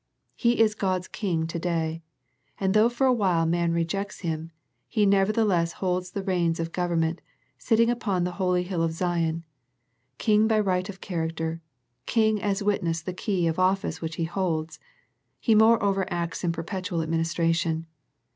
He is God's King to day, and though for a while man rejects Him, He nevertheless holds the reins of government, sitting upon the holy hill of Zion, King by right of character. King, as witness the key of office which He holds. He moreover acts in perpetual administration.